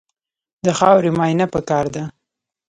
د خاورې معاینه پکار ده.